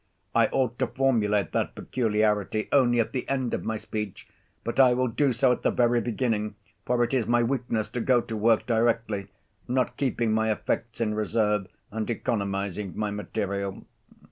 I ought to formulate that peculiarity only at the end of my speech, but I will do so at the very beginning, for it is my weakness to go to work directly, not keeping my effects in reserve and economizing my material.